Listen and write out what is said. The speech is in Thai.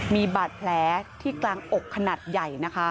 มีบาดแผลที่กลางอกขนาดใหญ่นะคะ